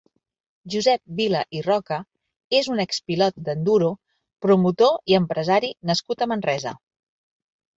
Josep Vila i Roca és un ex-pilot d'enduro, promotor i empresari nascut a Manresa.